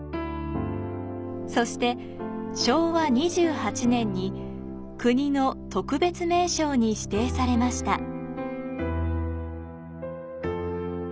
そして昭和２８年に国の特別名勝に指定されました。